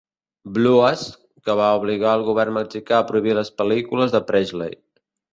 Blues, que va obligar el govern mexicà a prohibir les pel·lícules de Presley.